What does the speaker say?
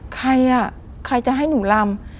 ใครอ่ะใครจะให้หนูลำ